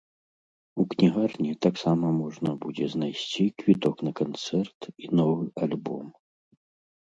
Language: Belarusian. У кнігарні таксама можна будзе знайсці квіток на канцэрт і новы альбом.